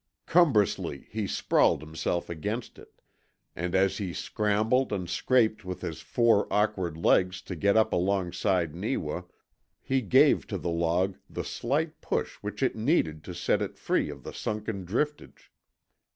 Cumbrously he sprawled himself against it, and as he scrambled and scraped with his four awkward legs to get up alongside Neewa he gave to the log the slight push which it needed to set it free of the sunken driftage.